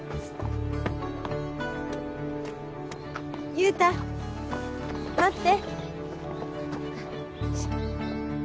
優太待って。